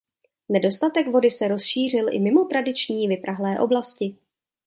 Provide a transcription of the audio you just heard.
Nedostatek vody se rozšířil i mimo tradiční vyprahlé oblasti.